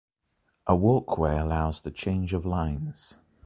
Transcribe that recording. A walkway allows the change of lines.